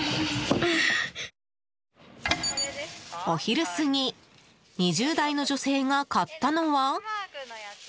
お昼過ぎ２０代の女性が買ったのは。